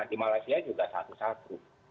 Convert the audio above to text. di malaysia juga satu satu